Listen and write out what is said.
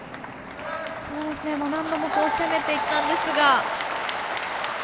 何度も攻めていったんですが。